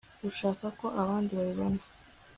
ushaka ko abandi babibona